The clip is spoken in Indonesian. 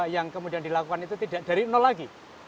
yang kemudian dilakukan itu tidak dari nol lagi